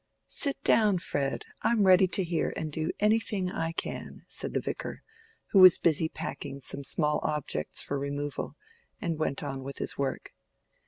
"Sit down, Fred, I'm ready to hear and do anything I can," said the Vicar, who was busy packing some small objects for removal, and went on with his work.